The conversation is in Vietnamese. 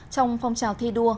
trong phong trào thi đua